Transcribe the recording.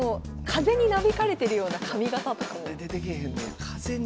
風になびかれてるような髪形？